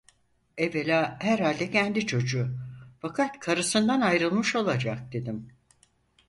Evvela, herhalde kendi çocuğu, fakat karısından ayrılmış olacak, dedim.